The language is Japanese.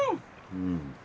うん。